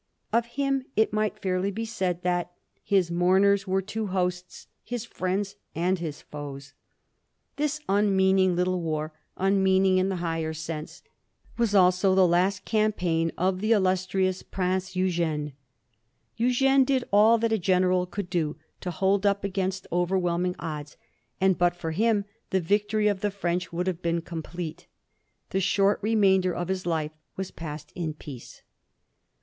Of him it might fairly be said that *^ his mourners were two hosts, his friends and foes." This un meaning little war — unmeaning in the higher sense — ^was also the last campaign of the illustrious Prince Eugene. Eugene did all that a general could do to hold up against overwhelming odds, and but for him the victory of the French would have been complete. The short remainder of his life was passed in peace.